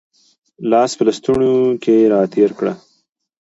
لاس په لستوڼي کې را تېر کړه